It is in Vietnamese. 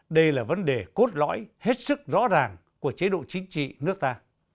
đây là vấn đề cốt lõi hết sức rõ ràng của chế độ chính trị nước ta